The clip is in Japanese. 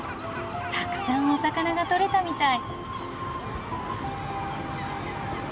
たくさんお魚が取れたみたい。